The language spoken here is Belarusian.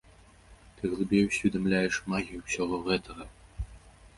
Ты глыбей усведамляеш магію ўсяго гэтага.